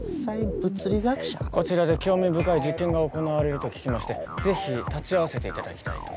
こちらで興味深い実験が行なわれると聞きまして是非立ち会わせていただきたいと。